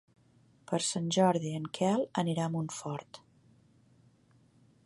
Per Sant Jordi en Quel anirà a Montfort.